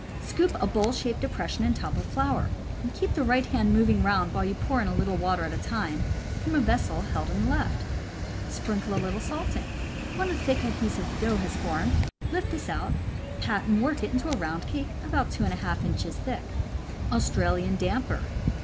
Scoop a bowl shaped depression in top of flour. Keep the right hand moving round while you pour in a little water at a time from a vessel held in the left. Sprinkle a little salt in. When a thick, adhesive dough has formed, lift this out and pat and work it into a round cake about 2^ inches thick. Australian Damper.